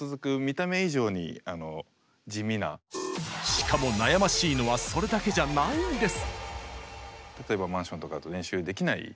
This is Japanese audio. しかも悩ましいのはそれだけじゃないんです！